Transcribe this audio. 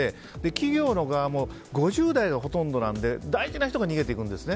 企業の側も５０代がほとんどなので大事な人が逃げていくんですよ。